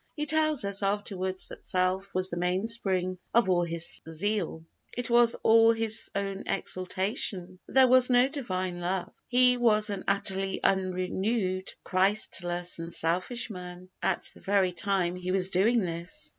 He tells us afterwards that self was the mainspring of all his zeal. It was all his own exaltation; there was no Divine love; he was an utterly unrenewed, Christless, and selfish man, at the very time he was doing this.